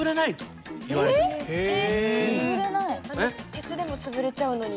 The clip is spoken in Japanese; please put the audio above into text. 鉄でも潰れちゃうのに？